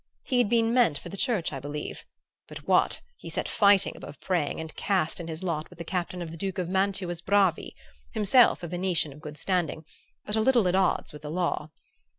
He had been meant for the Church, I believe, but what! he set fighting above praying and cast in his lot with the captain of the Duke of Mantua's bravi, himself a Venetian of good standing, but a little at odds with the law.